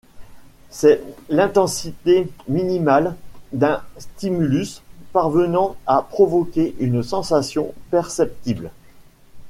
C'est l'intensité minimale d’un stimulus, parvenant à provoquer une sensation perceptible.